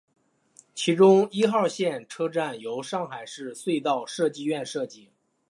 其中一号线车站由上海市隧道设计院设计。